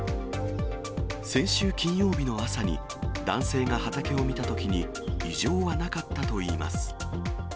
先週金曜日の朝に、男性が畑を見たときに異常はなかったといいます。